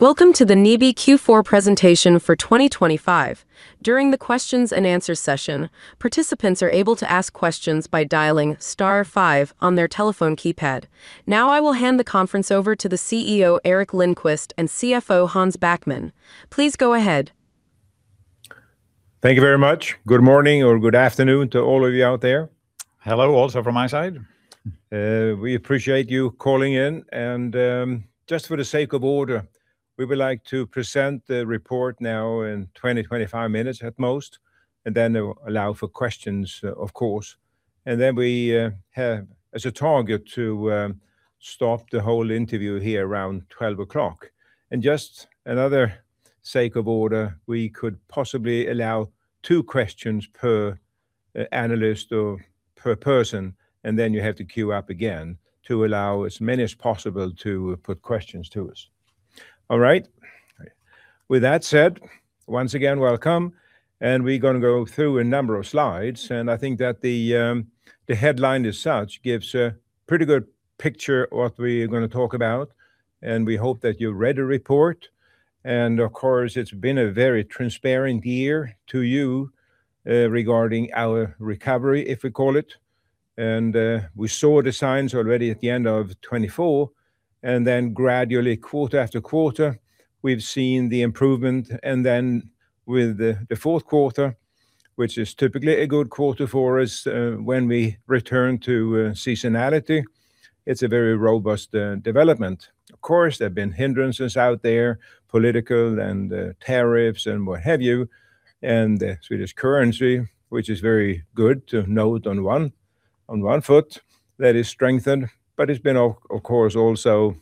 Welcome to the NIBE Q4 presentation for 2025. During the questions and answers session, participants are able to ask questions by dialing star five on their telephone keypad. Now, I will hand the conference over to the CEO, Gerteric Lindquist, and CFO, Hans Backman. Please go ahead. Thank you very much. Good morning or good afternoon to all of you out there. Hello, also from my side. We appreciate you calling in, and just for the sake of order, we would like to present the report now in 20-25 minutes at most, and then allow for questions, of course. And then we have as a target to stop the whole interview here around 12 o'clock. And just another sake of order, we could possibly allow two questions per analyst or per person, and then you have to queue up again to allow as many as possible to put questions to us. All right? With that said, once again, welcome, and we're gonna go through a number of slides, and I think that the headline as such gives a pretty good picture what we're gonna talk about. And we hope that you read the report. Of course, it's been a very transparent year to you regarding our recovery, if we call it. We saw the signs already at the end of 2024, and then gradually, quarter after quarter, we've seen the improvement. Then with the fourth quarter, which is typically a good quarter for us, when we return to seasonality, it's a very robust development. Of course, there have been hindrances out there, political and tariffs and what have you, and the Swedish currency, which is very good to note on one foot, that is strengthened, but it's been of course also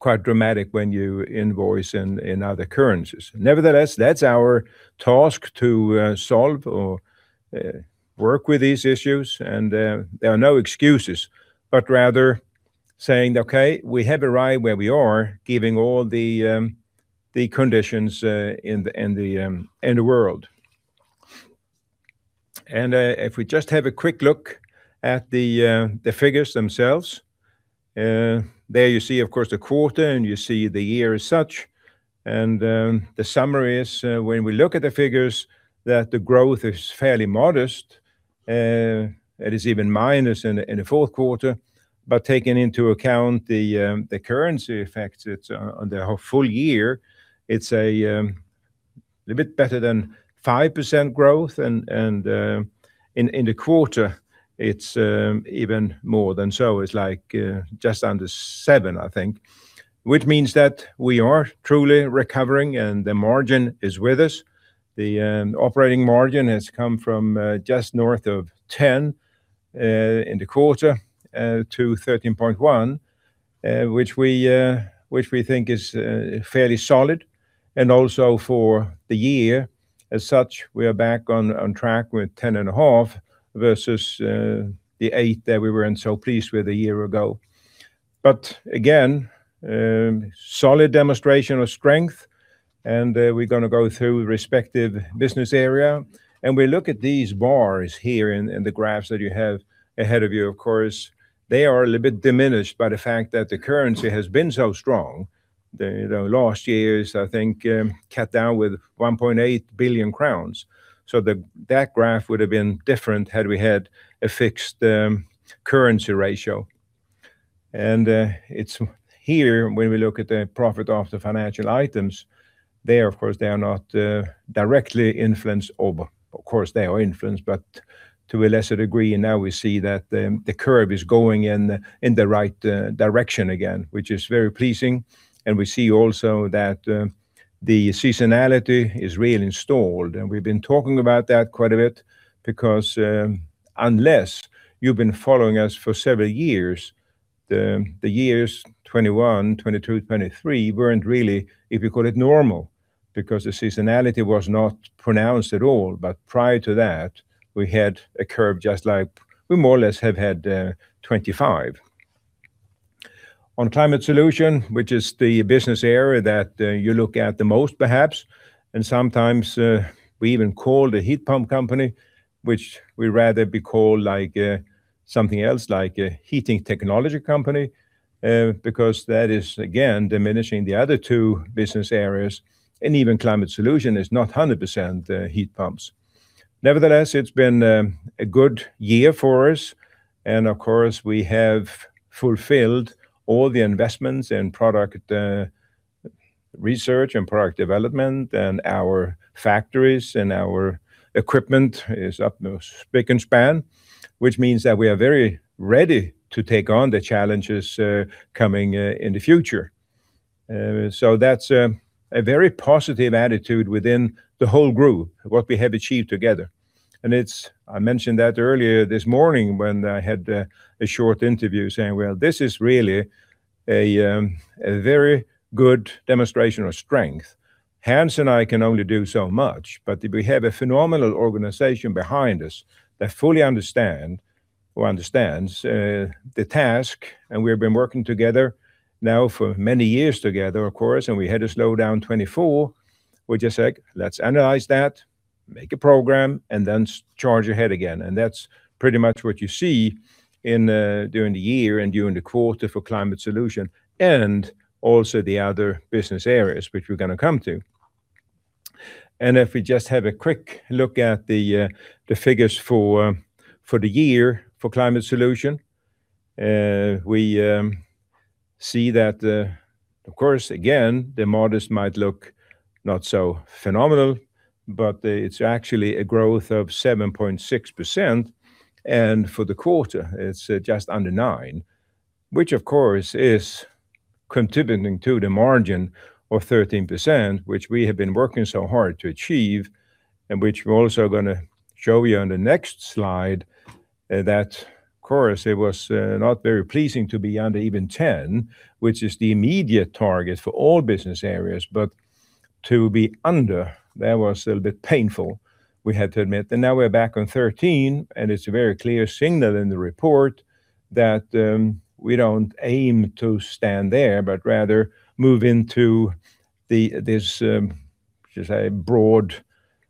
quite dramatic when you invoice in other currencies. Nevertheless, that's our task to solve or work with these issues. There are no excuses, but rather saying, "Okay, we have arrived where we are, given all the conditions in the world." If we just have a quick look at the figures themselves, there you see, of course, the quarter, and you see the year as such. The summary is, when we look at the figures, that the growth is fairly modest, it is even minus in the fourth quarter. But taking into account the currency effects, it's on the whole full year, it's a bit better than 5% growth. And in the quarter, it's even more than so. It's like just under 7%, I think, which means that we are truly recovering, and the margin is with us. The operating margin has come from just north of 10% in the quarter to 13.1%, which we think is fairly solid. And also, for the year, as such, we are back on track with 10.5% versus the 8% that we were in so pleased with a year ago. But again, solid demonstration of strength, and we're gonna go through respective business area. And we look at these bars here in the graphs that you have ahead of you, of course, they are a little bit diminished by the fact that the currency has been so strong. The last year's, I think, cut down with 1.8 billion crowns, so that graph would have been different had we had a fixed currency ratio. It's here, when we look at the profit after financial items, there, of course, they are not directly influenced or of course, they are influenced, but to a lesser degree. And now we see that the curve is going in the right direction again, which is very pleasing. And we see also that the seasonality is really installed, and we've been talking about that quite a bit. Because, unless you've been following us for several years, the years 2021, 2022, 2023, weren't really, if you call it normal, because the seasonality was not pronounced at all. But prior to that, we had a curve just like we more or less have had 2025. On Climate Solutions, which is the business area that you look at the most, perhaps, and sometimes we even call the heat pump company, which we rather be called like something else, like a heating technology company, because that is, again, diminishing the other two business areas, and even Climate Solutions is not 100% heat pumps. Nevertheless, it's been a good year for us, and of course, we have fulfilled all the investments in product research and product development, and our factories and our equipment is up spick and span, which means that we are very ready to take on the challenges coming in the future. So that's a very positive attitude within the whole group, what we have achieved together. I mentioned that earlier this morning when I had a short interview saying: Well, this is really a very good demonstration of strength. Hans and I can only do so much, but we have a phenomenal organization behind us that fully understand or understands the task, and we've been working together now for many years together, of course. And we had a slowdown in 2024. We just said: "Let's analyze that... Make a program, and then charge ahead again." And that's pretty much what you see in during the year and during the quarter for Climate Solutions, and also the other business areas, which we're gonna come to. And if we just have a quick look at the figures for the year for Climate Solutions, we see that, of course, again, the modest might look not so phenomenal, but it's actually a growth of 7.6%, and for the quarter, it's just under 9%, which, of course, is contributing to the margin of 13%, which we have been working so hard to achieve, and which we're also gonna show you on the next slide, that, of course, it was not very pleasing to be under even 10%, which is the immediate target for all business areas. But to be under that was a little bit painful, we had to admit. Now we're back on 13, and it's a very clear signal in the report that we don't aim to stand there, but rather move into this just a broad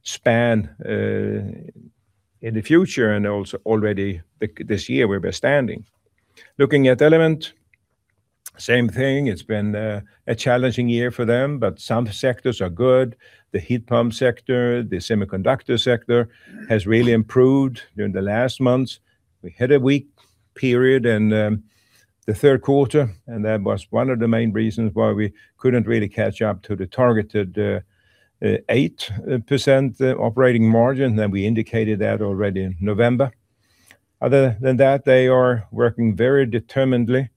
span in the future and also already this year, where we're standing. Looking at Element, same thing. It's been a challenging year for them, but some sectors are good. The heat pump sector, the semiconductor sector, has really improved during the last months. We had a weak period in the third quarter, and that was one of the main reasons why we couldn't really catch up to the targeted 8% operating margin, and we indicated that already in November. Other than that, they are working very determinedly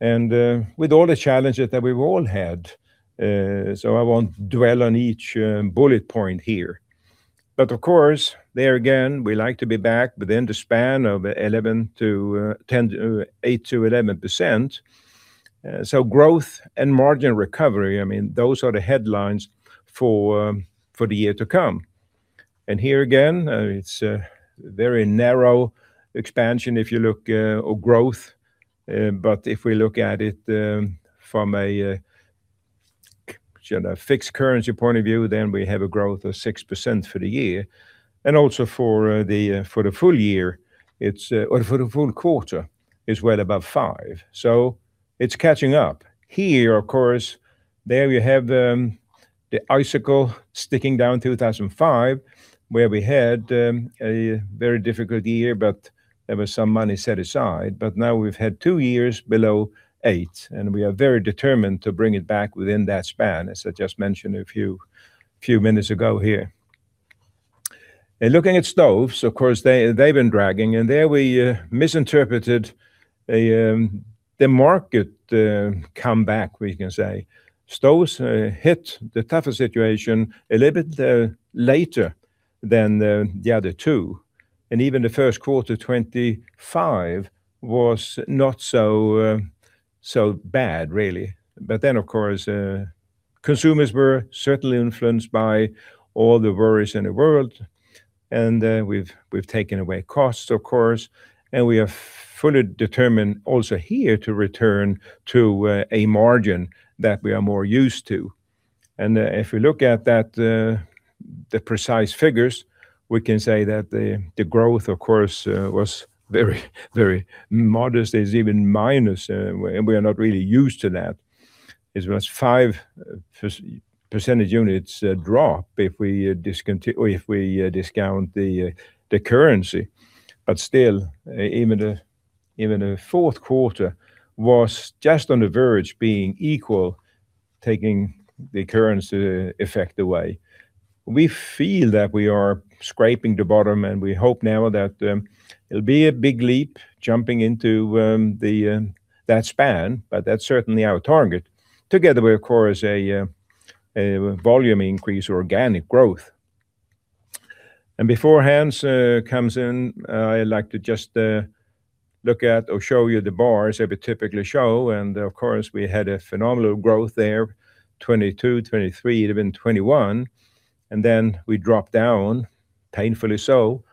and with all the challenges that we've all had, so I won't dwell on each bullet point here. Of course, there again, we like to be back within the span of 8%-11%. So growth and margin recovery, I mean, those are the headlines for the year to come. Here again, it's a very narrow expansion if you look at growth, but if we look at it from a FX fixed currency point of view, then we have a growth of 6% for the year, and also for the full quarter, it's well above 5%. So it's catching up. Here, of course, there we have the icicle sticking down 2005, where we had a very difficult year, but there was some money set aside. But now we've had two years below eight, and we are very determined to bring it back within that span, as I just mentioned a few minutes ago here. Looking at Stoves, of course, they've been dragging, and there we misinterpreted the market comeback, we can say. Stoves hit the tougher situation a little bit later than the other two, and even the first quarter 2025 was not so bad, really. But then, of course, consumers were certainly influenced by all the worries in the world, and we've taken away costs, of course, and we are fully determined also here to return to a margin that we are more used to. If you look at that, the precise figures, we can say that the growth, of course, was very, very modest. There's even minus, and we are not really used to that. It was 5 percentage units drop if we discount the currency. But still, even the fourth quarter was just on the verge being equal, taking the currency effect away. We feel that we are scraping the bottom, and we hope now that it'll be a big leap jumping into that span, but that's certainly our target, together with, of course, a volume increase, organic growth. Before Hans comes in, I'd like to just look at or show you the bars that we typically show. Of course, we had a phenomenal growth there, 2022, 2023, even 2021, and then we dropped down, painfully so,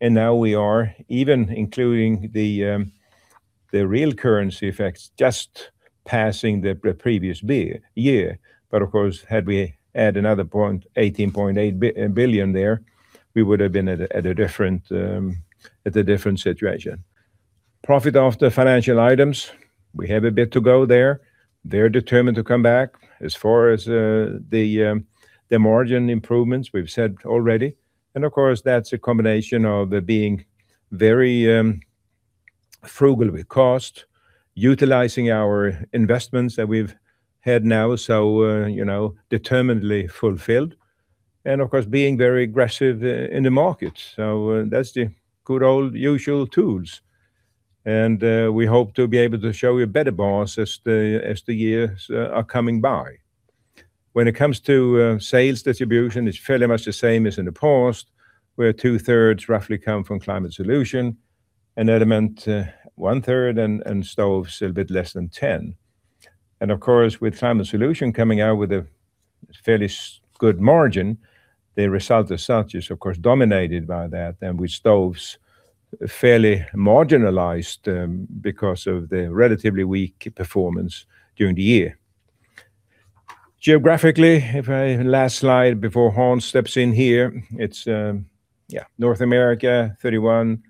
and now we are even including the, the real currency effects, just passing the previous year. But of course, had we add another point, 18.8 billion there, we would have been at a, at a different situation. Profit after financial items, we have a bit to go there. They're determined to come back as far as, the, the margin improvements we've said already. And of course, that's a combination of being very, frugal with cost, utilizing our investments that we've had now, so, you know, determinedly fulfilled, and of course, being very aggressive, in the market. So, that's the good old usual tools, and we hope to be able to show you better bars as the years are coming by. When it comes to sales distribution, it's fairly much the same as in the past, where two-thirds roughly come from Climate Solutions, and Element, one-third, and Stoves, a bit less than 10%. And of course, with Climate Solutions coming out with a fairly good margin, the result as such is of course dominated by that, and with Stoves fairly marginalized, because of the relatively weak performance during the year. Geographically, last slide before Hans steps in here, it's yeah, North America, 31%.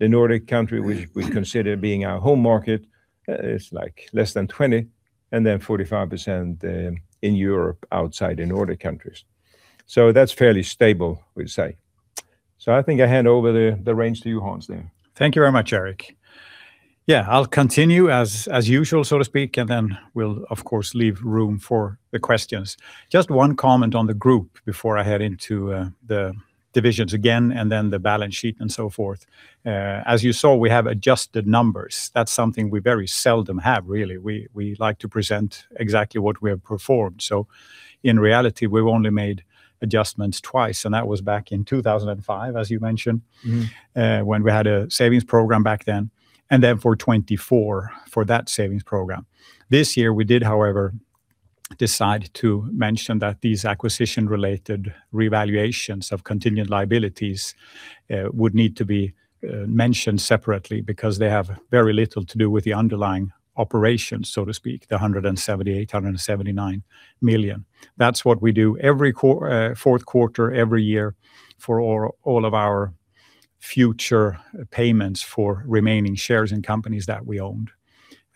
The Nordic countries, which we consider being our home market, is like less than 20%, and then 45% in Europe, outside the Nordic countries. That's fairly stable, we'd say. I think I hand over the reins to you, Hans, there. Thank you very much, Gerteric. Yeah, I'll continue as usual, so to speak, and then we'll, of course, leave room for the questions. Just one comment on the group before I head into the divisions again, and then the balance sheet, and so forth. As you saw, we have adjusted numbers. That's something we very seldom have, really. We like to present exactly what we have performed. So in reality, we've only made adjustments twice, and that was back in 2005, as you mentioned when we had a savings program back then, and then for 2024, for that savings program. This year, we did, however, decide to mention that these acquisition-related revaluations of contingent liabilities would need to be mentioned separately because they have very little to do with the underlying operations, so to speak, the 178 million, 179 million. That's what we do every fourth quarter, every year for all of our future payments for remaining shares in companies that we owned,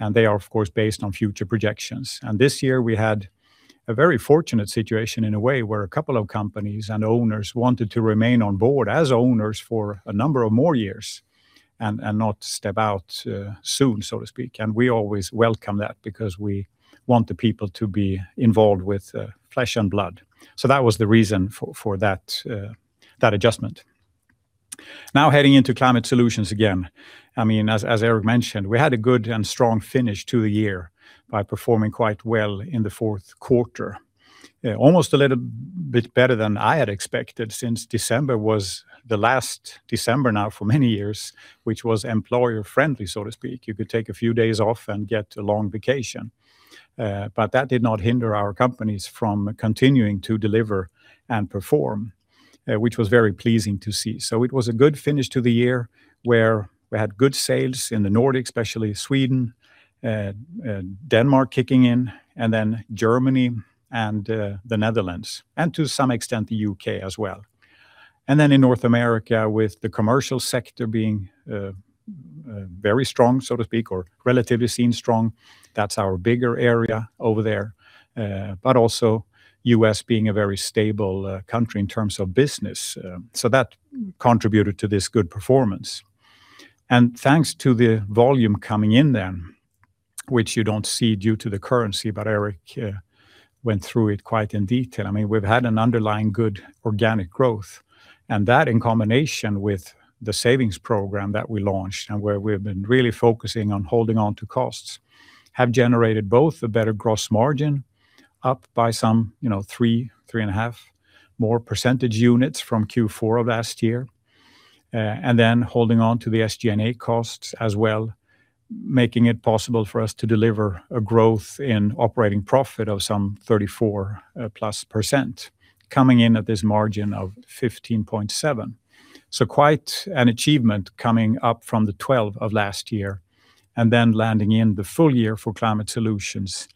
and they are, of course, based on future projections. And this year, we had a very fortunate situation in a way, where a couple of companies and owners wanted to remain on board as owners for a number of more years and not step out, soon, so to speak. We always welcome that because we want the people to be involved with flesh and blood. So that was the reason for that adjustment. Now, heading into climate solutions again, I mean, as Gerteric mentioned, we had a good and strong finish to the year by performing quite well in the fourth quarter. Almost a little bit better than I had expected since December was the last December now for many years, which was employer-friendly, so to speak. You could take a few days off and get a long vacation, but that did not hinder our companies from continuing to deliver and perform, which was very pleasing to see. So it was a good finish to the year, where we had good sales in the Nordics, especially Sweden, Denmark kicking in, and then Germany and the Netherlands, and to some extent, the U.K. as well. And then in North America, with the commercial sector being very strong, so to speak, or relatively seen strong, that's our bigger area over there, but also U.S. being a very stable country in terms of business, so that contributed to this good performance. And thanks to the volume coming in then, which you don't see due to the currency, but Gerteric went through it quite in detail. I mean, we've had an underlying good organic growth, and that in combination with the savings program that we launched and where we've been really focusing on holding on to costs, have generated both a better gross margin, up by some, you know, 3-3.5 percentage units from Q4 of last year. And then holding on to the SG&A costs as well, making it possible for us to deliver a growth in operating profit of some 34+%, coming in at this margin of 15.7%. So quite an achievement coming up from the 12% of last year and then landing in the full year for Climate Solutions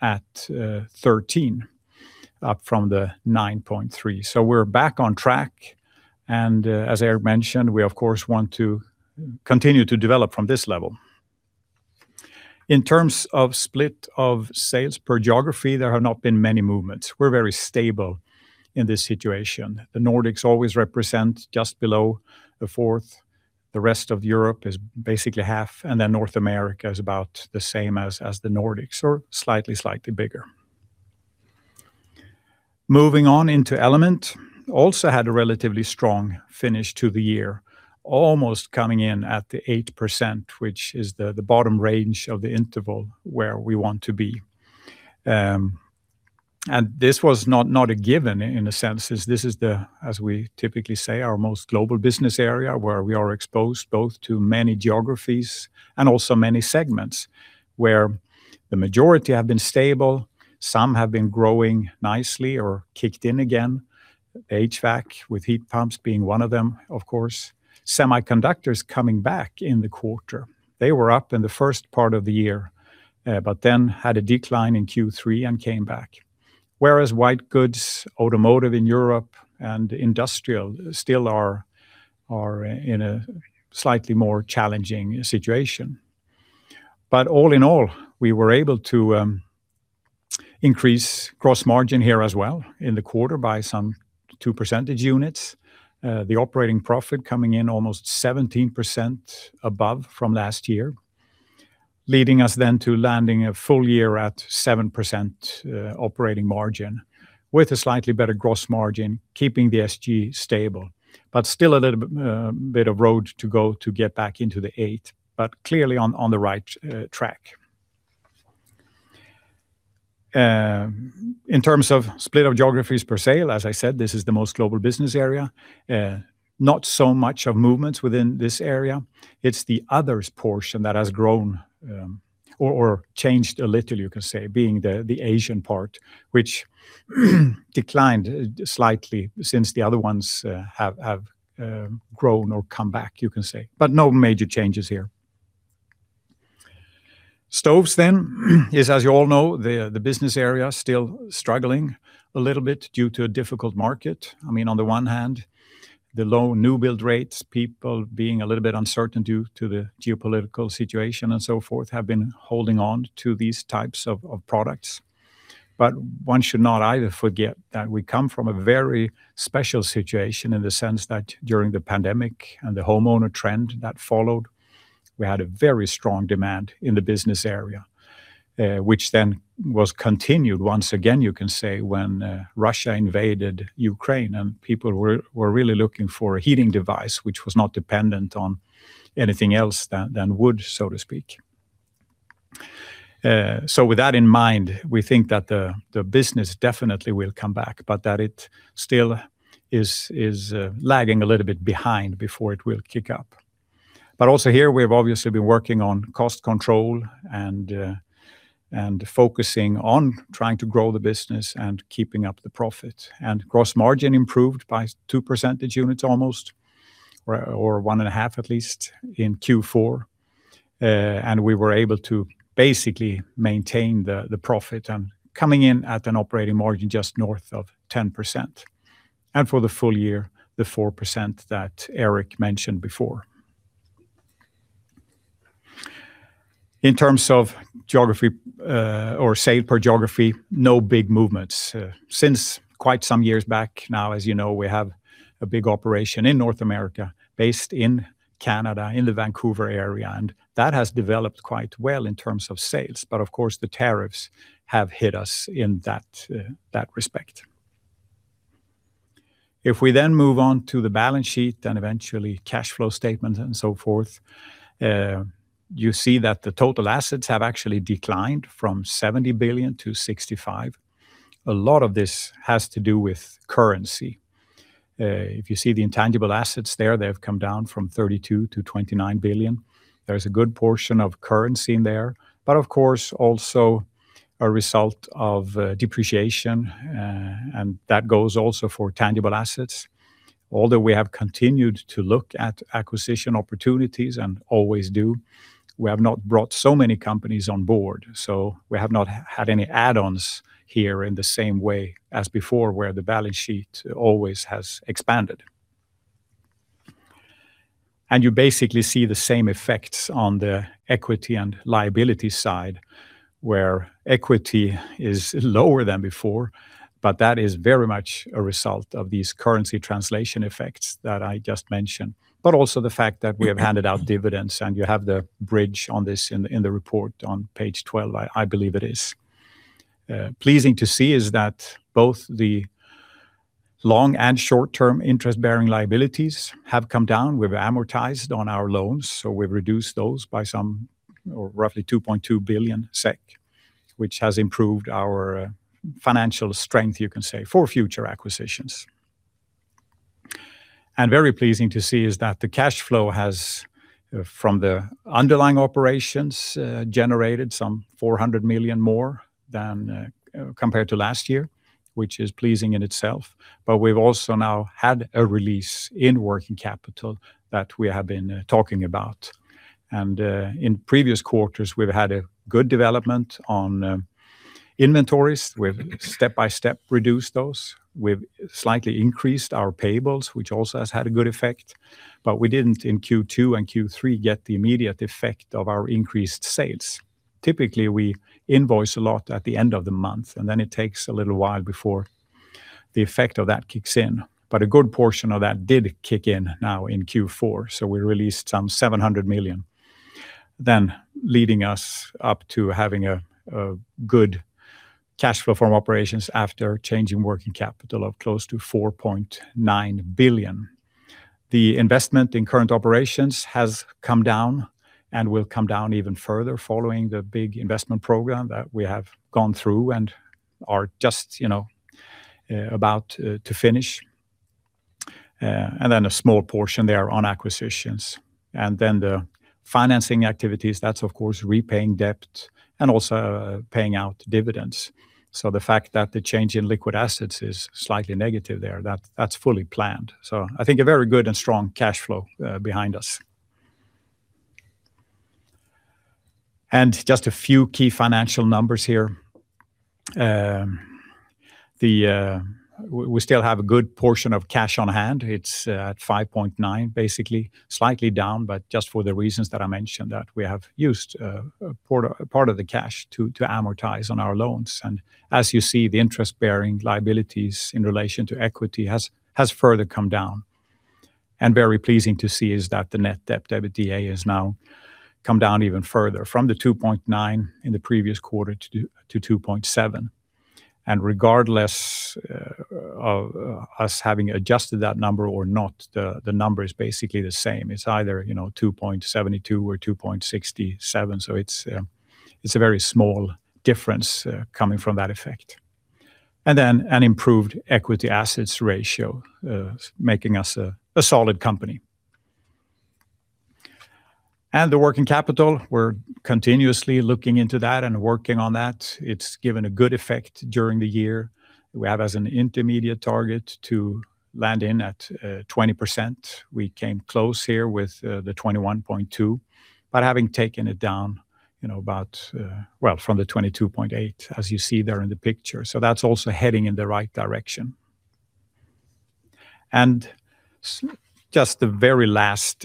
at 13%, up from the 9.3%. So we're back on track, and as Gerteric mentioned, we of course want to continue to develop from this level. In terms of split of sales per geography, there have not been many movements. We're very stable in this situation. The Nordics always represent just below 25%. The rest of Europe is basically 50%, and then North America is about the same as the Nordics or slightly bigger. Moving on into Element, also had a relatively strong finish to the year, almost coming in at 8%, which is the bottom range of the interval where we want to be. And this was not a given in a sense, as this is, as we typically say, our most global business area, where we are exposed both to many geographies and also many segments, where the majority have been stable, some have been growing nicely or kicked in again, HVAC, with heat pumps being one of them, of course. Semiconductors coming back in the quarter. They were up in the first part of the year, but then had a decline in Q3 and came back. Whereas white goods, automotive in Europe and industrial still are in a slightly more challenging situation. But all in all, we were able to increase gross margin here as well in the quarter by some 2 percentage units. The operating profit coming in almost 17% above from last year, leading us then to landing a full year at 7% operating margin, with a slightly better gross margin, keeping the SG stable, but still a little bit of road to go to get back into the eight, but clearly on the right track. In terms of split of geographies per se, as I said, this is the most global business area, not so much of movements within this area. It's the others portion that has grown, or changed a little, you can say, being the Asian part, which declined slightly since the other ones have grown or come back, you can say, but no major changes here. Stoves then is, as you all know, the business area still struggling a little bit due to a difficult market. I mean, on the one hand, the low new build rates, people being a little bit uncertain due to the geopolitical situation and so forth, have been holding on to these types of products. But one should not either forget that we come from a very special situation in the sense that during the pandemic and the homeowner trend that followed, we had a very strong demand in the business area, which then was continued once again, you can say, when Russia invaded Ukraine and people were really looking for a heating device, which was not dependent on anything else than wood, so to speak. So with that in mind, we think that the business definitely will come back, but that it still is lagging a little bit behind before it will kick up. But also here, we've obviously been working on cost control and focusing on trying to grow the business and keeping up the profit. Gross margin improved by 2 percentage units almost, or, or 1.5 at least in Q4. And we were able to basically maintain the profit and coming in at an operating margin just north of 10%, and for the full year, the 4% that Gerteric mentioned before. In terms of geography, or sale per geography, no big movements. Since quite some years back now, as you know, we have a big operation in North America, based in Canada, in the Vancouver area, and that has developed quite well in terms of sales, but of course, the tariffs have hit us in that respect. If we then move on to the balance sheet and eventually cash flow statement and so forth, you see that the total assets have actually declined from 70 billion to 65 billion. A lot of this has to do with currency. If you see the intangible assets there, they have come down from 32 billion to 29 billion. There's a good portion of currency in there, but of course, also a result of depreciation, and that goes also for tangible assets. Although we have continued to look at acquisition opportunities and always do, we have not brought so many companies on board, so we have not had any add-ons here in the same way as before, where the balance sheet always has expanded. And you basically see the same effects on the equity and liability side, where equity is lower than before, but that is very much a result of these currency translation effects that I just mentioned, but also the fact that we have handed out dividends, and you have the bridge on this in the, in the report on page 12, I believe it is. Pleasing to see is that both the long and short-term interest-bearing liabilities have come down. We've amortized on our loans, so we've reduced those by some or roughly 2.2 billion SEK, which has improved our financial strength, you can say, for future acquisitions. And very pleasing to see is that the cash flow has from the underlying operations generated some 400 million more than compared to last year, which is pleasing in itself. But we've also now had a release in working capital that we have been talking about. In previous quarters, we've had a good development on inventories. We've step-by-step reduced those. We've slightly increased our payables, which also has had a good effect, but we didn't, in Q2 and Q3, get the immediate effect of our increased sales. Typically, we invoice a lot at the end of the month, and then it takes a little while before the effect of that kicks in. But a good portion of that did kick in now in Q4, so we released some 700 million, then leading us up to having a good cash flow from operations after changing working capital of close to 4.9 billion. The investment in current operations has come down and will come down even further following the big investment program that we have gone through and are just, you know, about to finish. And then a small portion there on acquisitions. And then the financing activities, that's of course, repaying debt and also paying out dividends. So the fact that the change in liquid assets is slightly negative there, that's fully planned. So I think a very good and strong cash flow behind us. And just a few key financial numbers here. We still have a good portion of cash on hand. It's at 5.9, basically, slightly down, but just for the reasons that I mentioned, that we have used a part of the cash to amortize on our loans. As you see, the interest-bearing liabilities in relation to equity has further come down. Very pleasing to see is that the net debt/EBITDA has now come down even further from the 2.9 in the previous quarter to 2.7. And regardless of us having adjusted that number or not, the number is basically the same. It's either, you know, 2.72 or 2.67, so it's a very small difference coming from that effect. And then an improved equity/assets ratio, making us a solid company. And the working capital, we're continuously looking into that and working on that. It's given a good effect during the year. We have as an intermediate target to land in at 20%. We came close here with the 21.2, but having taken it down, you know, about, well, from the 22.8, as you see there in the picture. So that's also heading in the right direction. And just the very last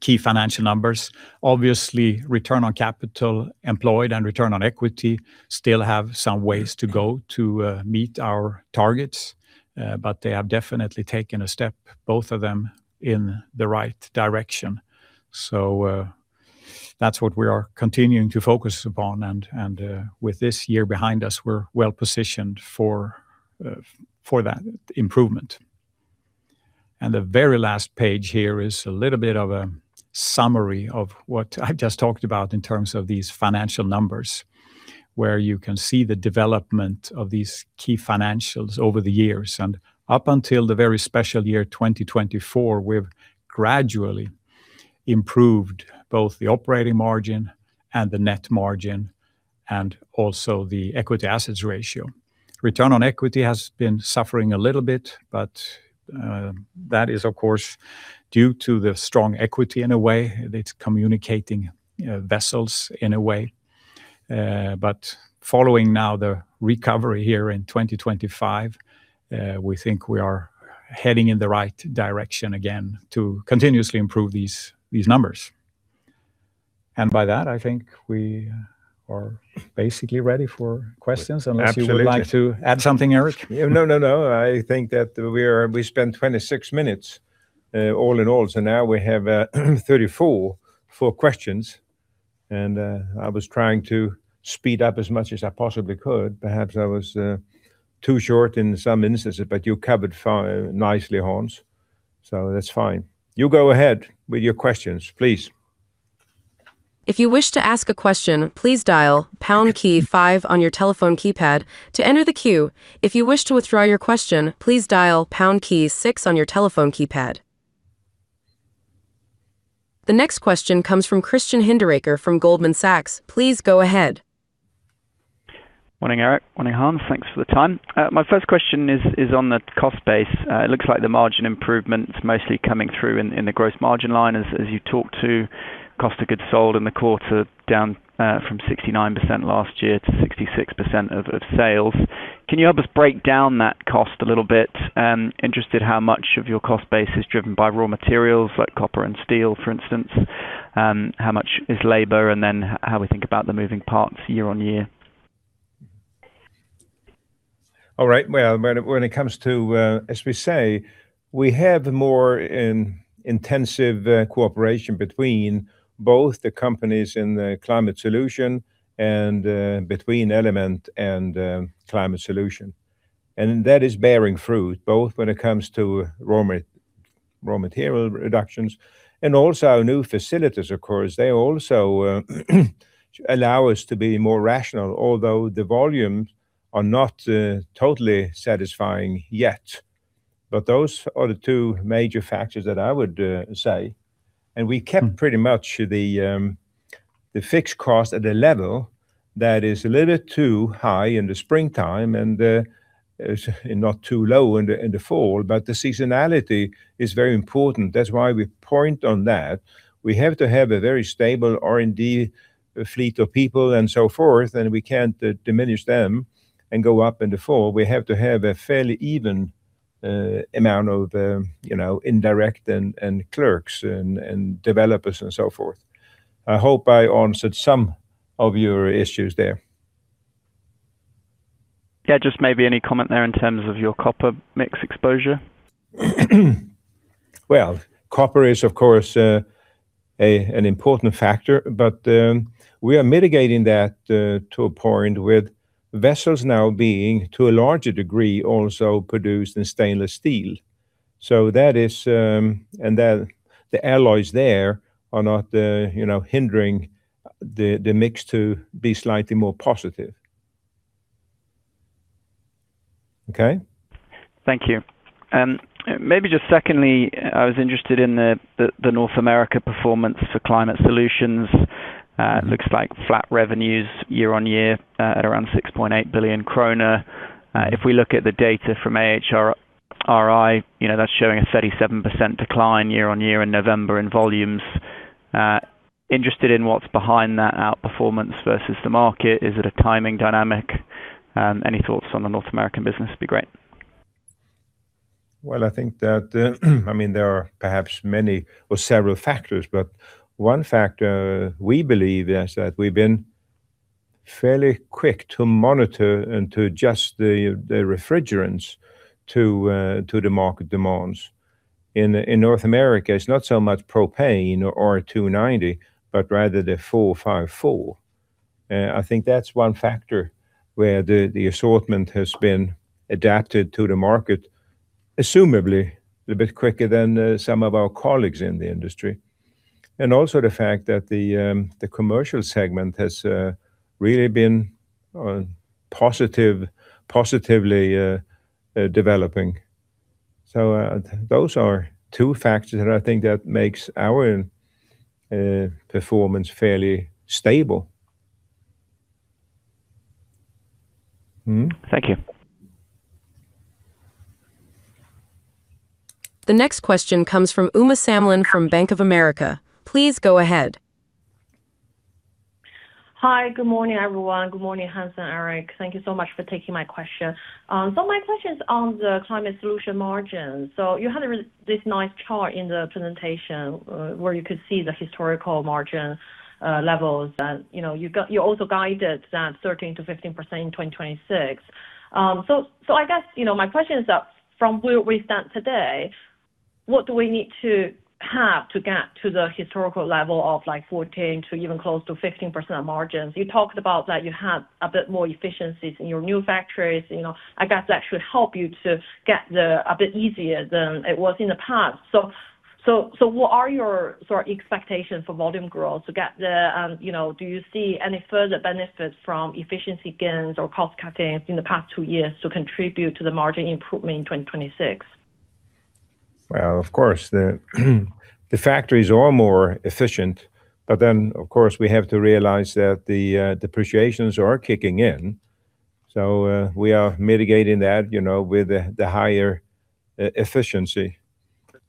key financial numbers, obviously, return on capital employed and return on equity still have some ways to go to meet our targets, but they have definitely taken a step, both of them, in the right direction. So that's what we are continuing to focus upon, and, with this year behind us, we're well-positioned for that improvement. And the very last page here is a little bit of a summary of what I've just talked about in terms of these financial numbers, where you can see the development of these key financials over the years. Up until the very special year, 2024, we've gradually improved both the operating margin and the net margin, and also the equity assets ratio. Return on equity has been suffering a little bit, but that is, of course, due to the strong equity in a way. It's communicating vessels in a way. But following now the recovery here in 2025, we think we are heading in the right direction again to continuously improve these, these numbers. By that, I think we are basically ready for questions. Absolutely. Unless you would like to add something, Gerteric? Yeah, no, no, no. I think that we are. We spent 26 minutes, all in all, so now we have 34 for questions, and I was trying to speed up as much as I possibly could. Perhaps I was too short in some instances, but you covered nicely, Hans, so that's fine. You go ahead with your questions, please. If you wish to ask a question, please dial pound key five on your telephone keypad to enter the queue. If you wish to withdraw your question, please dial pound key six on your telephone keypad. The next question comes from Christian Hinderaker from Goldman Sachs. Please go ahead. Morning, Gerteric. Morning, Hans. Thanks for the time. My first question is on the cost base. It looks like the margin improvement is mostly coming through in the gross margin line as you talked to cost of goods sold in the quarter, down from 69% last year to 66% of sales. Can you help us break down that cost a little bit? I'm interested how much of your cost base is driven by raw materials, like copper and steel, for instance, how much is labor, and then how we think about the moving parts year on year? All right. Well, when it comes to, as we say, we have more intensive cooperation between both the companies in the Climate Solutions and between Element and Climate Solutions. And that is bearing fruit, both when it comes to raw material reductions and also new facilities, of course. They also allow us to be more rational, although the volumes are not totally satisfying yet. But those are the two major factors that I would say. We kept pretty much the fixed cost at a level that is a little too high in the springtime and not too low in the fall, but the seasonality is very important. That's why we point on that. We have to have a very stable R&D fleet of people, and so forth, and we can't diminish them and go up in the fall. We have to have a fairly even amount of, you know, indirect and clerks and developers and so forth. I hope I answered some of your issues there. Yeah, just maybe any comment there in terms of your copper mix exposure? Well, copper is, of course, an important factor, but we are mitigating that to a point with vessels now being, to a larger degree, also produced in stainless steel. So that is... And the alloys there are not, you know, hindering the mix to be slightly more positive. Okay? Thank you. And maybe just secondly, I was interested in the North America performance for climate solutions. It looks like flat revenues year on year at around 6.8 billion kronor. If we look at the data from AHRI, you know, that's showing a 37% decline year on year in November in volumes. Interested in what's behind that outperformance versus the market. Is it a timing dynamic? Any thoughts on the North American business would be great. Well, I think that, I mean, there are perhaps many or several factors, but one factor we believe is that we've been fairly quick to monitor and to adjust the refrigerants to the market demands. In North America, it's not so much propane or R-290, but rather the R-454B. I think that's one factor where the assortment has been adapted to the market, presumably a bit quicker than some of our colleagues in the industry. And also the fact that the commercial segment has really been positively developing. So, those are two factors that I think that makes our performance fairly stable. Thank you. The next question comes from Uma Samlin, from Bank of America. Please go ahead. Hi. Good morning, everyone. Good morning, Hans and Gerteric. Thank you so much for taking my question. So my question is on the Climate Solutions margin. So you had this nice chart in the presentation, where you could see the historical margin levels, and, you know, you also guided that 13%-15% in 2026. So, so I guess, you know, my question is that, from where we stand today, what do we need to have to get to the historical level of, like, 14% to even close to 15% margins? You talked about that you have a bit more efficiencies in your new factories, you know, I guess that should help you to get there a bit easier than it was in the past. So, what are your sort of expectations for volume growth to get the, you know, do you see any further benefits from efficiency gains or cost cuttings in the past two years to contribute to the margin improvement in 2026? Well, of course, the factories are more efficient, but then, of course, we have to realize that the depreciations are kicking in. So, we are mitigating that, you know, with the higher efficiency.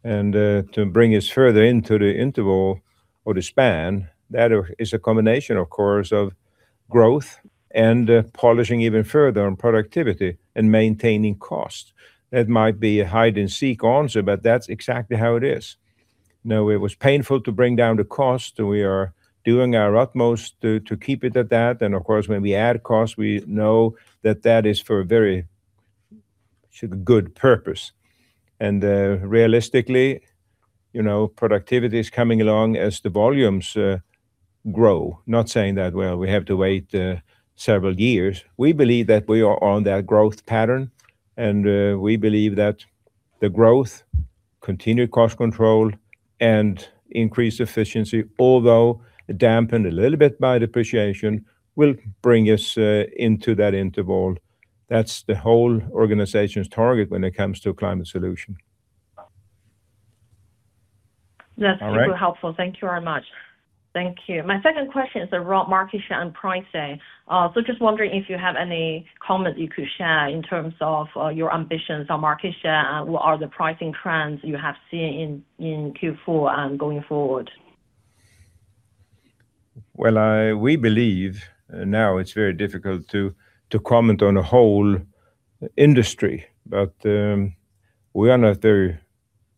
And, to bring us further into the interval or the span, that is a combination, of course, of growth and polishing even further on productivity and maintaining cost. That might be a hide and seek answer, but that's exactly how it is. Now, it was painful to bring down the cost, and we are doing our utmost to keep it at that. And of course, when we add cost, we know that that is for a very good purpose. And, realistically, you know, productivity is coming along as the volumes grow. Not saying that, well, we have to wait several years. We believe that we are on that growth pattern, and we believe that the growth, continued cost control, and increased efficiency, although dampened a little bit by depreciation, will bring us into that interval. That's the whole organization's target when it comes to a Climate Solutions. All right? Thats super helpful. Thank you very much. Thank you. My second question is around market share and pricing. So just wondering if you have any comments you could share in terms of your ambitions on market share, and what are the pricing trends you have seen in Q4 and going forward? Well, we believe, now it's very difficult to comment on a whole industry, but, we are not very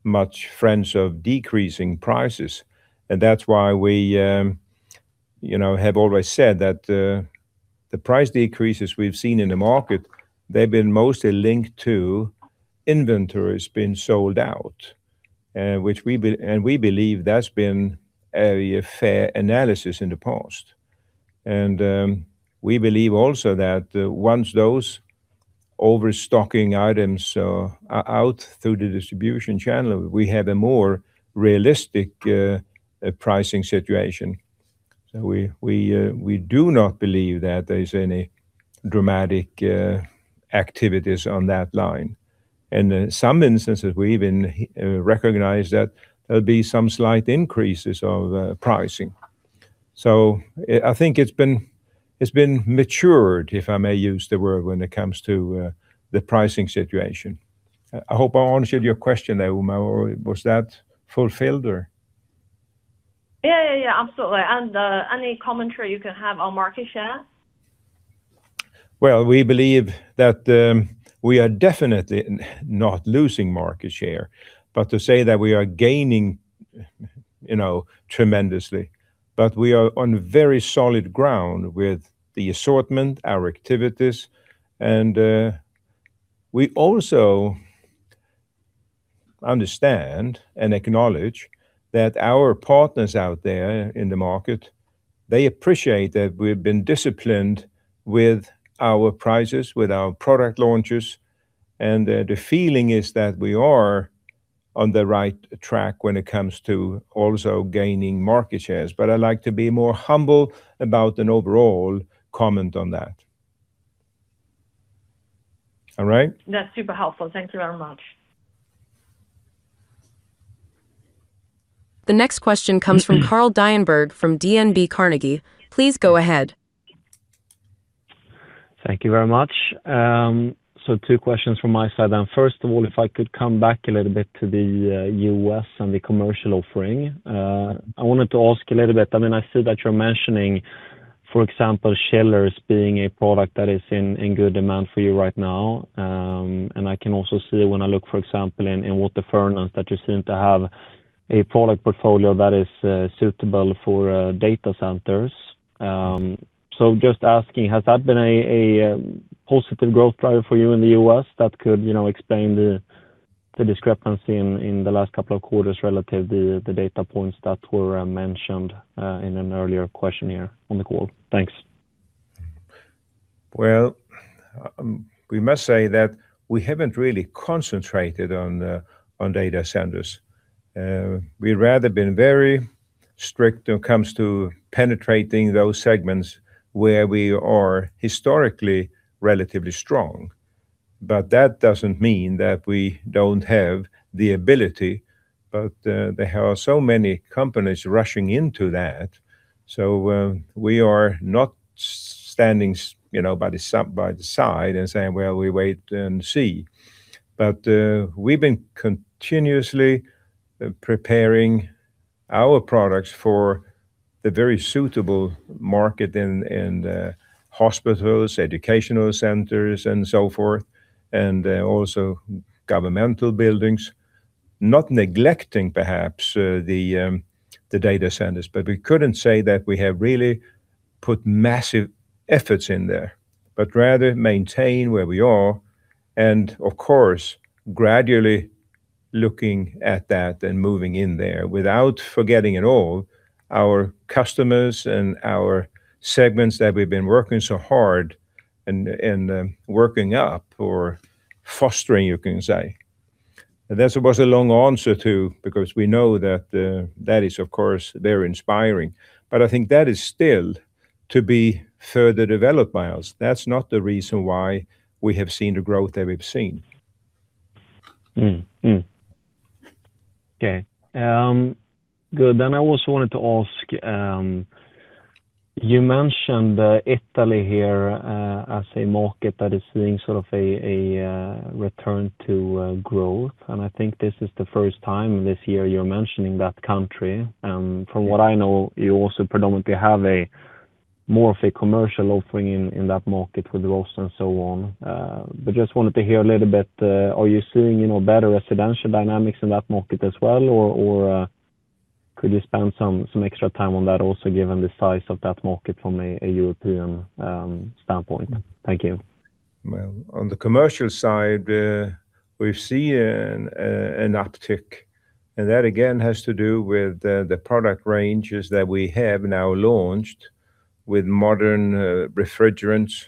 much friends of decreasing prices, and that's why we, you know, have always said that, the price decreases we've seen in the market, they've been mostly linked to inventories being sold out, which we and we believe that's been a fair analysis in the past. And, we believe also that, once those overstocking items are out through the distribution channel, we have a more realistic pricing situation. So we do not believe that there's any dramatic activities on that line. And in some instances, we even recognize that there'll be some slight increases of pricing. So I, I think it's been, it's been matured, if I may use the word, when it comes to the pricing situation. I, I hope I answered your question there, Uma, or was that fulfilled? Yeah, absolutely. Any commentary you can have on market share? Well, we believe that, we are definitely not losing market share, but to say that we are gaining, you know, tremendously. But we are on very solid ground with the assortment, our activities, and, we also understand and acknowledge that our partners out there in the market, they appreciate that we've been disciplined with our prices, with our product launches, and, the feeling is that we are on the right track when it comes to also gaining market shares. But I like to be more humble about an overall comment on that. All right? That's super helpful. Thank you very much. The next question comes from Carl Deijenberg from DNB Carnegie. Please go ahead. Thank you very much. So two questions from my side then. First of all, if I could come back a little bit to the U.S. and the commercial offering. I wanted to ask you a little bit... I mean, I see that you're mentioning, for example, chillers being a product that is in good demand for you right now. And I can also see when I look, for example, in WaterFurnace, that you seem to have a product portfolio that is suitable for data centers. So just asking, has that been a positive growth driver for you in the U.S. that could, you know, explain the discrepancy in the last couple of quarters relative to the data points that were mentioned in an earlier question here on the call? Thanks. Well, we must say that we haven't really concentrated on data centers. We'd rather been very strict when it comes to penetrating those segments where we are historically relatively strong. But that doesn't mean that we don't have the ability, but there are so many companies rushing into that, so we are not standing you know, by the side, by the side and saying, "Well, we wait and see." But we've been continuously preparing our products for the very suitable market in hospitals, educational centers, and so forth, and also governmental buildings. Not neglecting perhaps the data centers, but we couldn't say that we have really put massive efforts in there, but rather maintain where we are, and of course, gradually looking at that and moving in there without forgetting at all our customers and our segments that we've been working so hard and working up or fostering, you can say. That was a long answer, too, because we know that is, of course, very inspiring, but I think that is still to be further developed by us. That's not the reason why we have seen the growth that we've seen. Good. Then I also wanted to ask, you mentioned Italy here as a market that is seeing sort of a return to growth, and I think this is the first time this year you're mentioning that country. From what I know, you also predominantly have more of a commercial offering in that market with Rhoss and so on. But just wanted to hear a little bit, are you seeing, you know, better residential dynamics in that market as well? Or could you spend some extra time on that also, given the size of that market from a European standpoint? Thank you. Well, on the commercial side, we've seen an uptick, and that, again, has to do with the product ranges that we have now launched with modern refrigerants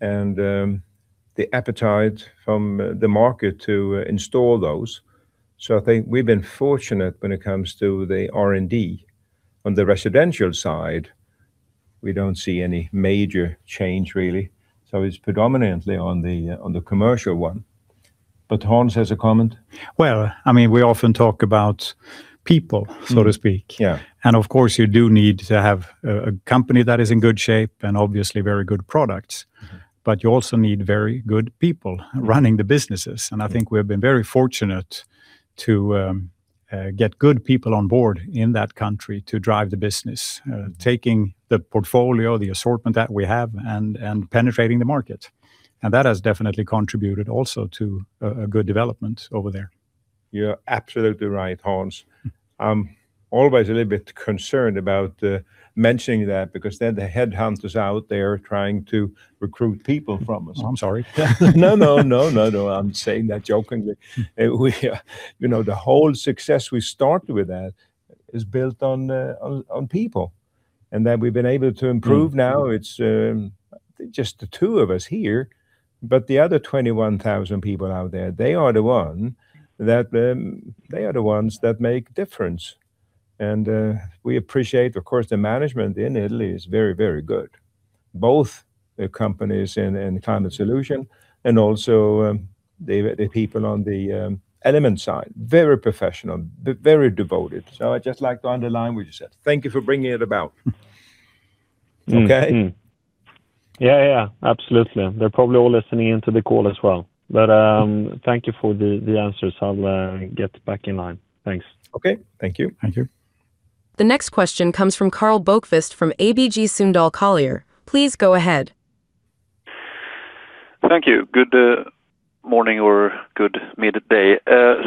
and the appetite from the market to install those. So I think we've been fortunate when it comes to the R&D. On the residential side, we don't see any major change, really, so it's predominantly on the commercial one. But Hans has a comment. Well, I mean, we often talk about people, so to speak. Yeah. Of course, you do need to have a company that is in good shape and obviously very good products, but you also need very good people running the businesses. I think we have been very fortunate to get good people on board in that country to drive the business, taking the portfolio, the assortment that we have, and penetrating the market. That has definitely contributed also to a good development over there. You're absolutely right, Hans. I'm always a little bit concerned about mentioning that because then the headhunt is out there trying to recruit people from us. I'm sorry. No. I'm saying that jokingly. We, you know, the whole success we started with that is built on, on people, and that we've been able to improve now it's just the two of us here, but the other 21,000 people out there, they are the ones that make difference. And we appreciate, of course, the management in Italy is very, very good. Both the companies and Climate Solutions and also the people on the Element side. Very professional, but very devoted. So I'd just like to underline what you said. Thank you for bringing it about. Okay? Yeah, absolutely. They're probably all listening in to the call as well. But, thank you for the answers. I'll get back in line. Thanks. Okay. Thank you. Thank you. The next question comes from Karl Bokvist, from ABG Sundal Collier. Please go ahead. Thank you. Good morning or good midday.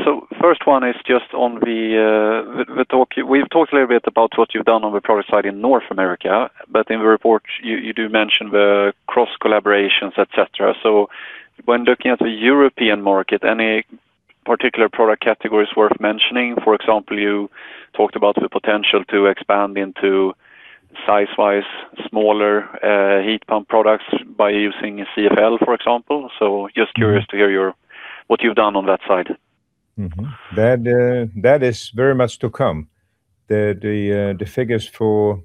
So first one is just on the talk. We've talked a little bit about what you've done on the product side in North America, but in the report, you do mention the cross collaborations, et cetera. So when looking at the European market, any particular product categories worth mentioning? For example, you talked about the potential to expand into size-wise, smaller heat pump products by using CFL, for example. So just curious to hear your, what you've done on that side. That, that is very much to come. The, the, the figures for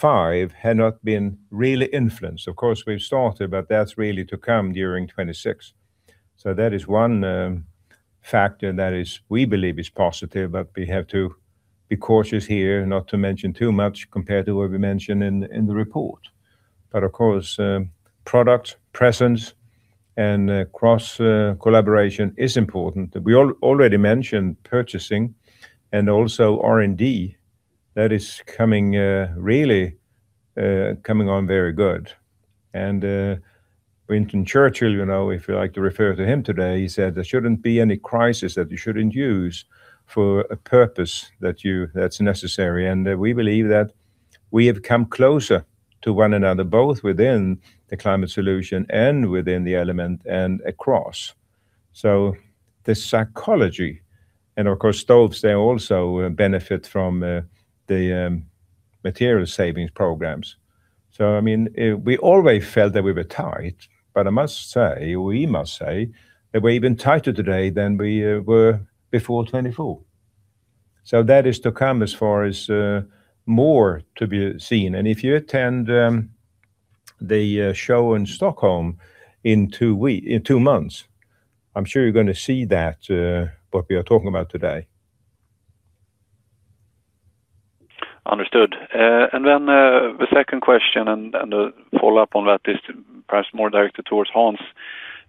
2025 had not been really influenced. Of course, we've started, but that's really to come during 2026. So that is one factor that is, we believe is positive, but we have to be cautious here, not to mention too much compared to what we mentioned in, in the report. But of course, product, presence, and, cross collaboration is important. We already mentioned purchasing and also R&D. That is coming, really, coming on very good. And, Winston Churchill, you know, if you like to refer to him today, he said: "There shouldn't be any crisis that you shouldn't use for a purpose that you... That's necessary." And we believe that we have come closer to one another, both within the Climate Solutions and within the Element and across. So the psychology, and of course, Stoves, they also benefit from the material savings programs. So, I mean, we always felt that we were tight, but I must say, we must say that we're even tighter today than we were before 2024. So that is to come as far as more to be seen. And if you attend the show in Stockholm in two months, I'm sure you're gonna see that what we are talking about today. Understood. And then, the second question, and, and a follow-up on that is perhaps more directed towards Hans.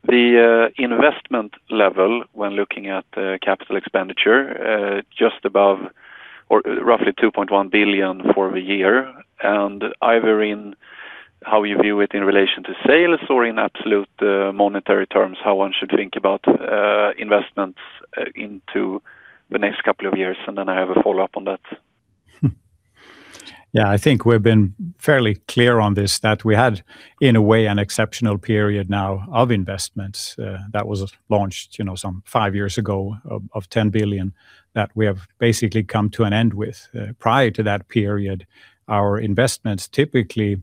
The investment level when looking at capital expenditure, just above or roughly 2.1 billion for the year, and either in how you view it in relation to sales or in absolute monetary terms, how one should think about investments into the next couple of years, and then I have a follow-up on that. Hmm. Yeah, I think we've been fairly clear on this, that we had, in a way, an exceptional period now of investments that was launched, you know, some 5 years ago of 10 billion, that we have basically come to an end with. Prior to that period, our investments typically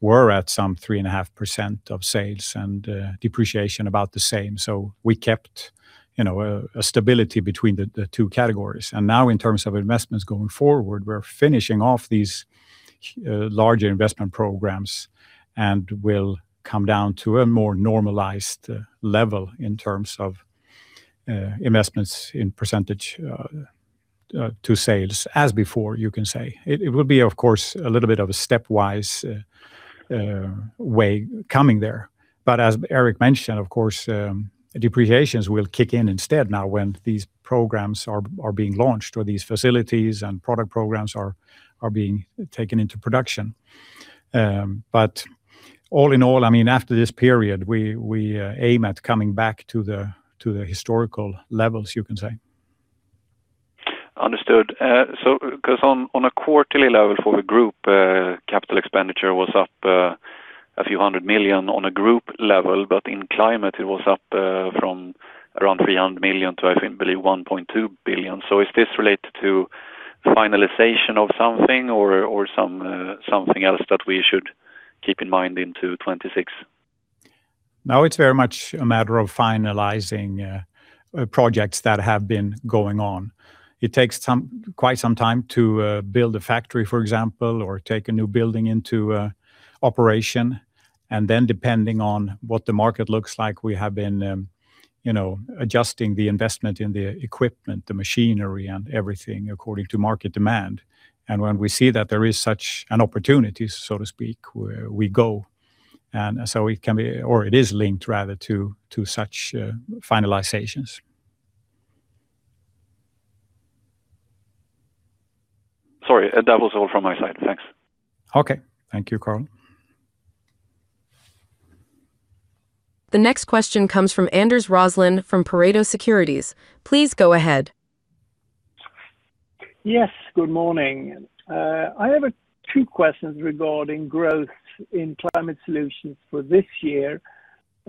were at some 3.5% of sales, and depreciation about the same. So we kept, you know, a stability between the two categories. And now in terms of investments going forward, we're finishing off these larger investment programs and will come down to a more normalized level in terms of investments in percentage to sales, as before, you can say. It will be, of course, a little bit of a stepwise way coming there. But as Eric mentioned, of course, depreciations will kick in instead now when these programs are being launched or these facilities and product programs are being taken into production. But all in all, I mean, after this period, we aim at coming back to the historical levels, you can say. Understood. So 'cause on a quarterly level for the group, capital expenditure was up a few hundred million on a group level, but in climate it was up from around 300 million to, I think, I believe 1.2 billion. So is this related to finalization of something or some something else that we should keep in mind into 2026? No, it's very much a matter of finalizing projects that have been going on. It takes some, quite some time to build a factory, for example, or take a new building into operation. And then depending on what the market looks like, we have been, you know, adjusting the investment in the equipment, the machinery, and everything according to market demand. And when we see that there is such an opportunity, so to speak, we go. And so it can be, or it is linked rather to such finalizations. Sorry, that was all from my side. Thanks. Okay. Thank you, Carl. The next question comes from Anders Roslund from Pareto Securities. Please go ahead. Yes, good morning. I have two questions regarding growth in Climate Solutions for this year.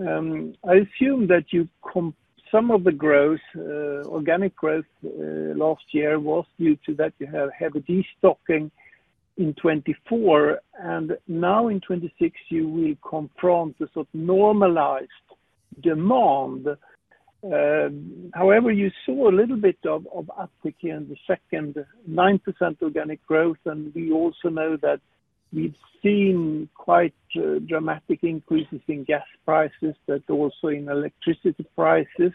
I assume that some of the growth, organic growth, last year was due to that you had heavy destocking in 2024, and now in 2026 you will confront the sort of normalized demand. However, you saw a little bit of uptick in the second half 9% organic growth, and we also know that we've seen quite dramatic increases in gas prices, but also in electricity prices.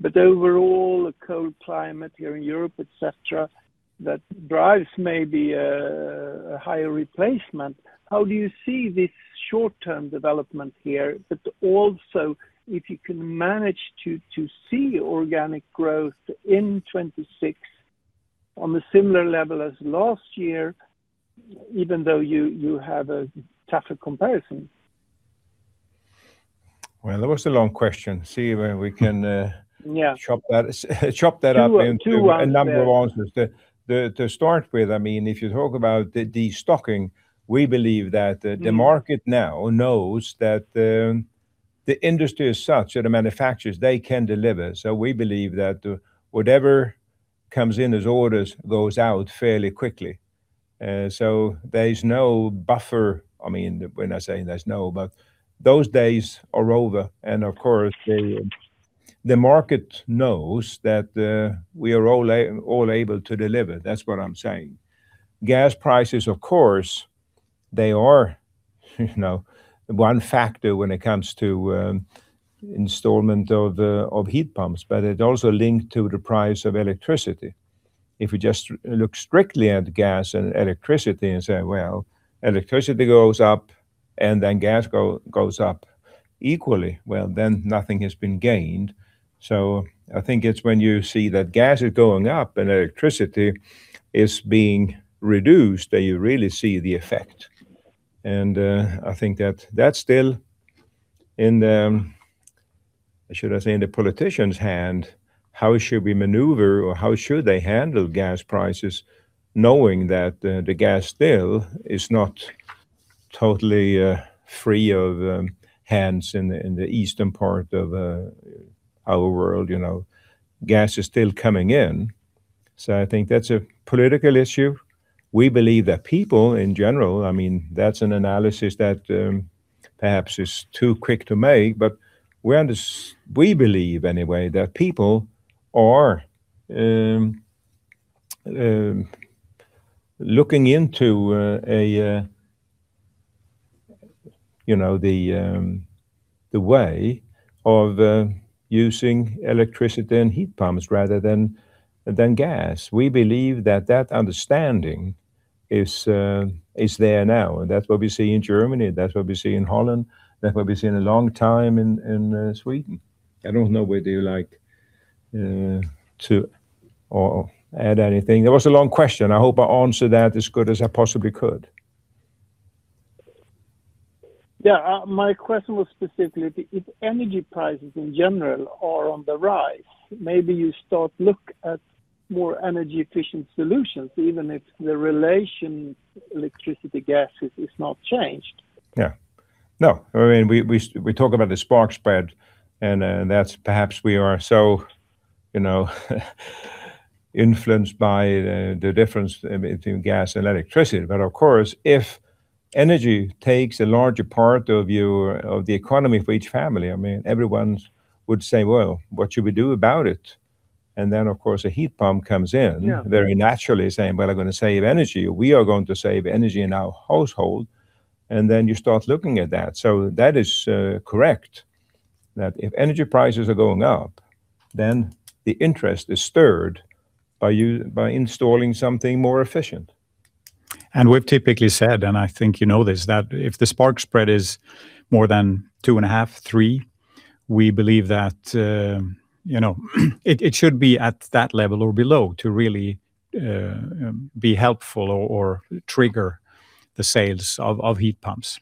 But overall, the cold climate here in Europe, et cetera, that drives maybe a higher replacement. How do you see this short-term development here, but also if you can manage to see organic growth in 2026 on a similar level as last year, even though you have a tougher comparison? Well, that was a long question. See whether we can, Yeah chop that up into two, two ones, yeah a number of ones. To start with, I mean, if you talk about the destocking, we believe that the market now knows that, the industry is such that the manufacturers, they can deliver. So we believe that, whatever comes in as orders goes out fairly quickly. So there is no buffer. I mean, we're not saying there's no, but those days are over, and of course, the, the market knows that, we are all all able to deliver. That's what I'm saying. Gas prices, of course, they are, you know, one factor when it comes to, installation of, of heat pumps, but it's also linked to the price of electricity. If you just look strictly at gas and electricity and say, "Well, electricity goes up and then gas goes up equally," well, then nothing has been gained. I think it's when you see that gas is going up and electricity is being reduced, that you really see the effect. I think that that's still in the, should I say, in the politician's hand, how should we maneuver or how should they handle gas prices, knowing that the gas still is not totally free of hands in the eastern part of our world, you know, gas is still coming in. I think that's a political issue. We believe that people, in general, I mean, that's an analysis that perhaps is too quick to make, but we believe anyway, that people are looking into you know the way of using electricity and heat pumps rather than gas. We believe that that understanding is, is there now, and that's what we see in Germany, that's what we see in Holland, that's what we've seen a long time in, in, Sweden. I don't know whether you'd like, to, or add anything. That was a long question. I hope I answered that as good as I possibly could. Yeah, my question was specifically, if energy prices in general are on the rise, maybe you start look at more energy efficient solutions, even if the relation electricity, gas is not changed. Yeah. No, I mean, we talk about the spark spread, and that's perhaps we are so, you know, influenced by the difference between gas and electricity. But of course, if energy takes a larger part of you, of the economy for each family, I mean, everyone would say, "Well, what should we do about it?" And then, of course, a heat pump comes in very naturally saying, "Well, I'm gonna save energy. We are going to save energy in our household," and then you start looking at that. So that is correct, that if energy prices are going up, then the interest is stirred by installing something more efficient. We've typically said, and I think you know this, that if the spark spread is more than 2.5-3, we believe that it should be at that level or below to really be helpful or trigger the sales of heat pumps.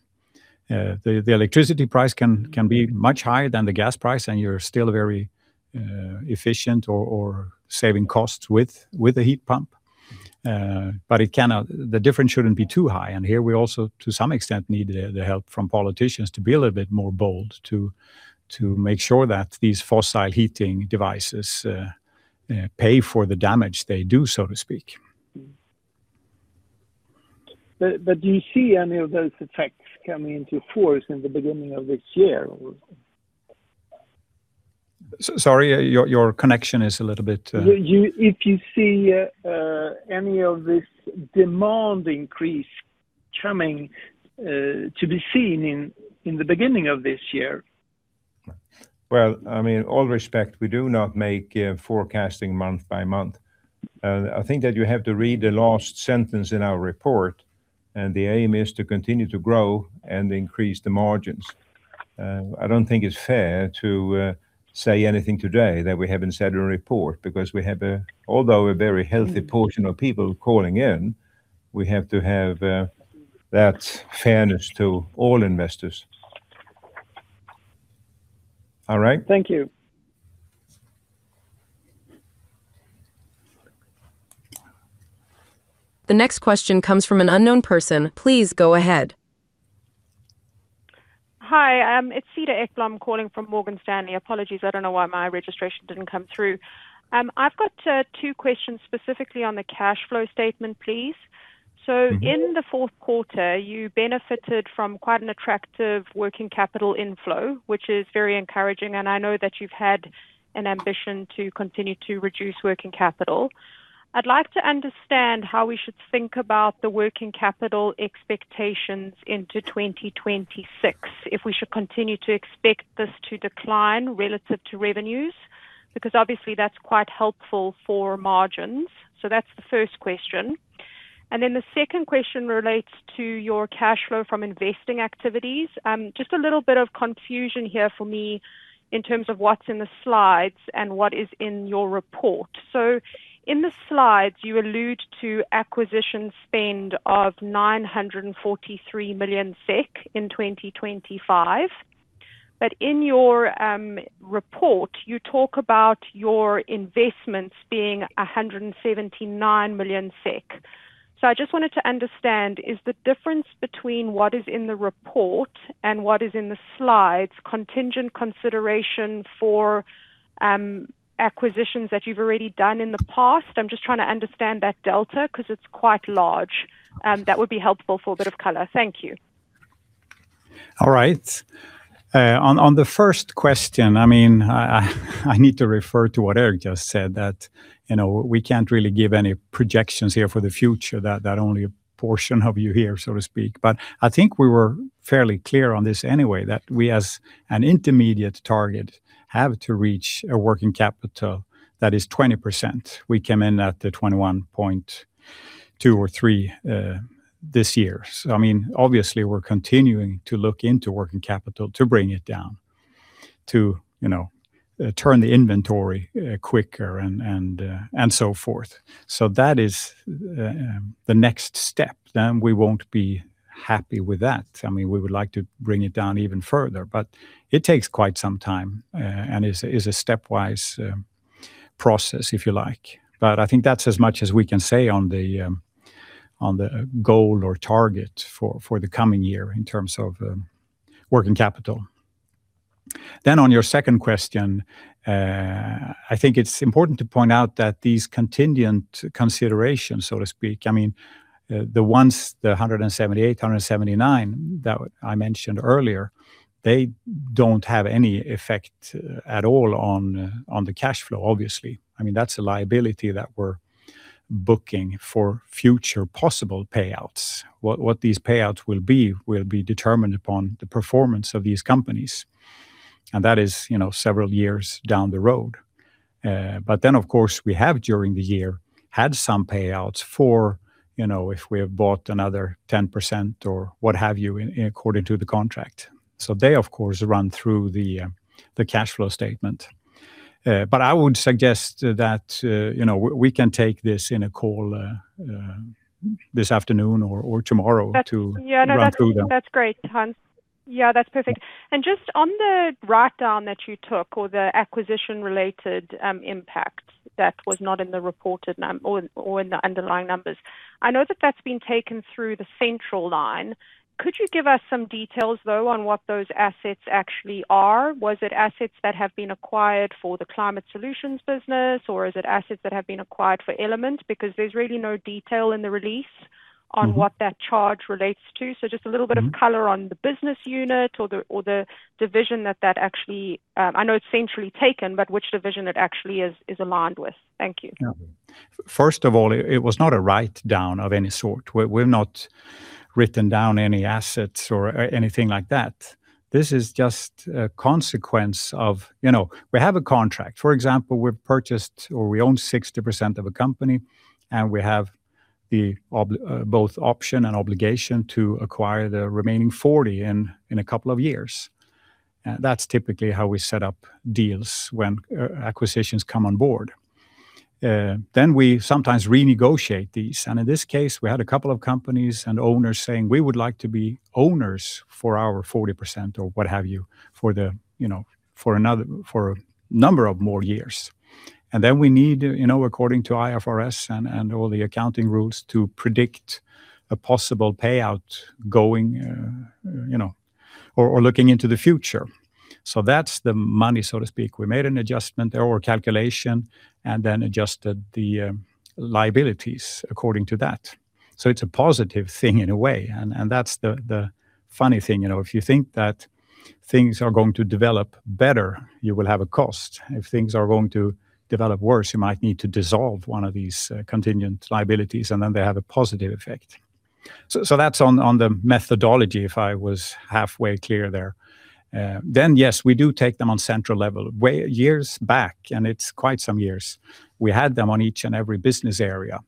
The electricity price can be much higher than the gas price, and you're still very efficient or saving costs with the heat pump. But it cannot... The difference shouldn't be too high, and here we also, to some extent, need the help from politicians to be a little bit more bold, to make sure that these fossil heating devices pay for the damage they do, so to speak. But do you see any of those effects coming into force in the beginning of this year? Sorry, your, your connection is a little bit You, if you see, any of this demand increase coming, to be seen in, in the beginning of this year? Well, I mean, all respect, we do not make forecasting month by month. I think that you have to read the last sentence in our report, and the aim is to continue to grow and increase the margins. I don't think it's fair to say anything today that we haven't said in the report, because we have a... Although a very healthy portion of people calling in, we have to have that fairness to all investors. All right? Thank you. The next question comes from an unknown person. Please go ahead. Hi, it's Cedar Ekblom calling from Morgan Stanley. Apologies, I don't know why my registration didn't come through. I've got two questions specifically on the cash flow statement, please. So in the fourth quarter, you benefited from quite an attractive working capital inflow, which is very encouraging, and I know that you've had an ambition to continue to reduce working capital. I'd like to understand how we should think about the working capital expectations into 2026, if we should continue to expect this to decline relative to revenues, because obviously, that's quite helpful for margins. So that's the first question. And then the second question relates to your cash flow from investing activities. Just a little bit of confusion here for me in terms of what's in the slides and what is in your report. So in the slides, you allude to acquisition spend of 943 million SEK in 2025. But in your report, you talk about your investments being 179 million SEK. So I just wanted to understand, is the difference between what is in the report and what is in the slides, contingent consideration for acquisitions that you've already done in the past? I'm just trying to understand that delta 'cause it's quite large. That would be helpful for a bit of color. Thank you. All right. On the first question, I mean, I need to refer to what Gerteric just said, that, you know, we can't really give any projections here for the future, that only a portion of you here, so to speak. But I think we were fairly clear on this anyway, that we, as an intermediate target, have to reach a working capital that is 20%. We came in at the 21.2 or 3, this year. So I mean, obviously, we're continuing to look into working capital to bring it down, to, you know, turn the inventory quicker and so forth. So that is the next step. Then we won't be happy with that. I mean, we would like to bring it down even further, but it takes quite some time, and it's a stepwise process, if you like. But I think that's as much as we can say on the goal or target for the coming year in terms of working capital. Then on your second question, I think it's important to point out that these contingent considerations, so to speak, I mean, the ones, the 178, 179 that I mentioned earlier, they don't have any effect at all on the cash flow, obviously. I mean, that's a liability that we're booking for future possible payouts. What these payouts will be, will be determined upon the performance of these companies, and that is, you know, several years down the road. But then, of course, we have, during the year, had some payouts for, you know, if we have bought another 10% or what have you, in, according to the contract. So they, of course, run through the cash flow statement. But I would suggest that, you know, we can take this in a call this afternoon or tomorrow to run through that. Yeah. That's great, Hans. Yeah, that's perfect. And just on the write-down that you took or the acquisition-related impact that was not in the reported or in the underlying numbers, I know that that's been taken through the central line. Could you give us some details, though, on what those assets actually are? Was it assets that have been acquired for the Climate Solutions business, or is it assets that have been acquired for Element? Because there's really no detail in the release on what that charge relates to. So just a little bit of color on the business unit or the division that actually, I know it's centrally taken, but which division it actually is, is aligned with? Thank you. Yeah. First of all, it was not a write-down of any sort. We're, we've not written down any assets or anything like that. This is just a consequence of... You know, we have a contract. For example, we've purchased or we own 60% of a company, and we have the both option and obligation to acquire the remaining 40% in a couple of years. That's typically how we set up deals when acquisitions come on board. Then we sometimes renegotiate these, and in this case, we had a couple of companies and owners saying, "We would like to be owners for our 40%," or what have you, for the, you know, for another, for a number of more years. And then we need, you know, according to IFRS and all the accounting rules, to predict a possible payout going, you know, or looking into the future. So that's the money, so to speak. We made an adjustment or calculation and then adjusted the liabilities according to that. So it's a positive thing in a way, and that's the funny thing. You know, if you think that things are going to develop better, you will have a cost. If things are going to develop worse, you might need to dissolve one of these contingent liabilities, and then they have a positive effect. So that's on the methodology, if I was halfway clear there. Then, yes, we do take them on central level. Way years back, and it's quite some years, we had them on each and every business area,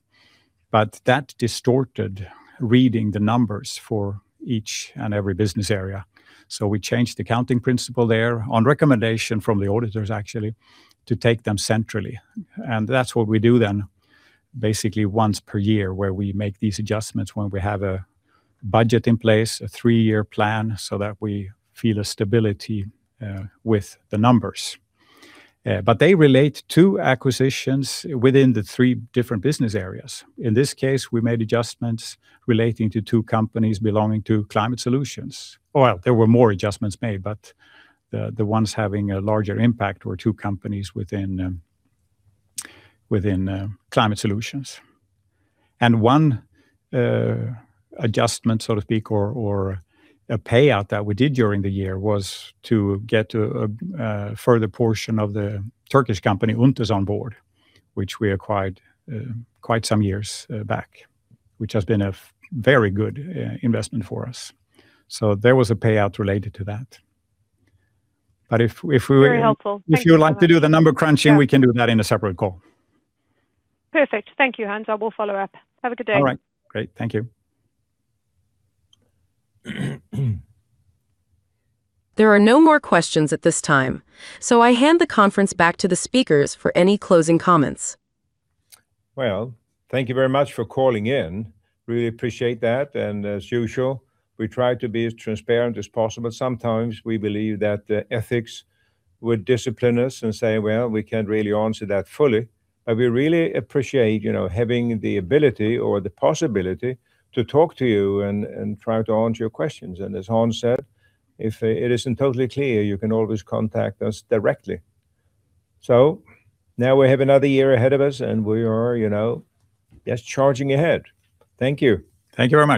but that distorted reading the numbers for each and every business area. So we changed the accounting principle there, on recommendation from the auditors, actually, to take them centrally. That's what we do then, basically once per year, where we make these adjustments when we have a budget in place, a three-year plan, so that we feel a stability with the numbers. But they relate to acquisitions within the three different business areas. In this case, we made adjustments relating to two companies belonging to Climate Solutions. Well, there were more adjustments made, but the ones having a larger impact were two companies within Climate Solutions. One adjustment, so to speak, or a payout that we did during the year, was to get a further portion of the Turkish company, Üntes, on board, which we acquired quite some years back, which has been a very good investment for us. There was a payout related to that. If we were- Very helpful. If you would like to do the number crunching- Yeah we can do that in a separate call. Perfect. Thank you, Hans. I will follow up. Have a good day. All right. Great. Thank you. There are no more questions at this time, so I hand the conference back to the speakers for any closing comments. Well, thank you very much for calling in. Really appreciate that, and as usual, we try to be as transparent as possible. Sometimes we believe that ethics would discipline us and say, "Well, we can't really answer that fully." But we really appreciate, you know, having the ability or the possibility to talk to you and try to answer your questions. And as Hans said, if it isn't totally clear, you can always contact us directly. So now we have another year ahead of us, and we are, you know, just charging ahead. Thank you. Thank you very much.